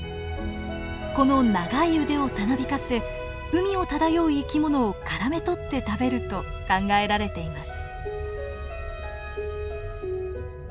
この長い腕をたなびかせ海を漂う生き物をからめとって食べると考えられています。